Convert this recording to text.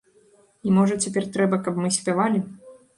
І можа цяпер трэба, каб мы спявалі.